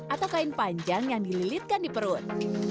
atau kain panjang yang dililitkan di perut